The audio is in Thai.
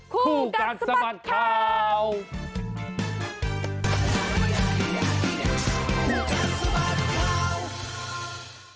คู่กันสมัครครับ